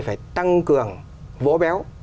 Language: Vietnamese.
phải tăng cường vỗ béo